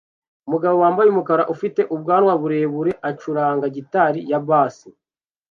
Umugabo wambaye umukara ufite ubwanwa burebure acuranga gitari ya bass